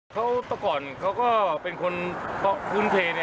เขาตอนก่อนเขาก็เป็นคนภูมิเท